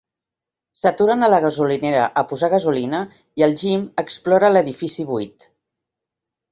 S'aturen a la gasolinera a posar gasolina i el Jim explora l'edifici buit.